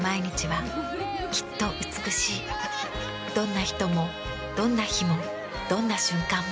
どんな人もどんな日もどんな瞬間も。